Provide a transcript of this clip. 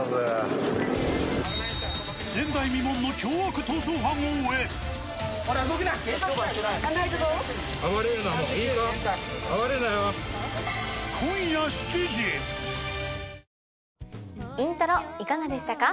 前代未聞の凶悪逃走犯を追え『イントロ』いかがでしたか？